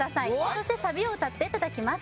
そしてサビを歌っていただきます